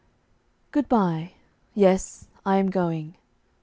Good bye yes, I am going.